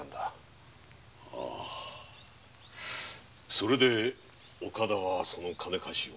それで岡田はその金貸しを。